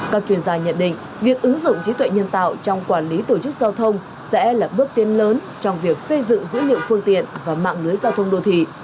các chuyên gia nhận định việc ứng dụng trí tuệ nhân tạo trong quản lý tổ chức giao thông sẽ là bước tiến lớn trong việc xây dựng dữ liệu phương tiện và mạng lưới giao thông đô thị